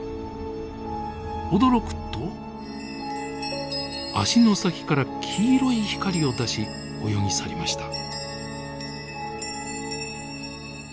驚くと足の先から黄色い光を出し泳ぎ去りました。